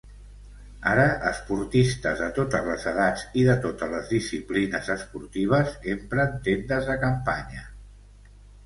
Ara esportistes de totes les edats i de totes les disciplines esportives empren tendes de campanya.